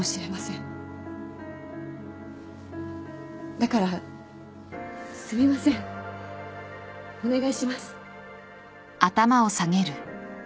だからすみませんお願いします。